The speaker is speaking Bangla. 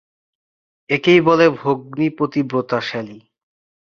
একেই বলে ভগ্নীপতিব্রতা শ্যালী।